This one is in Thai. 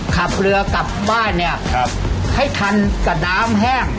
ขับเรือกรับบ้านให้ทันกะน้ำแห้ง